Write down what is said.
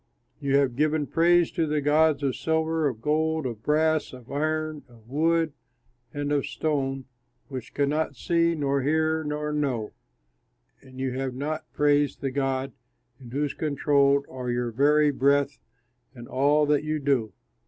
You have given praise to the gods of silver, of gold, of brass, of iron, of wood, and of stone, which cannot see nor hear nor know; and you have not praised the God in whose control are your very breath and all that you do."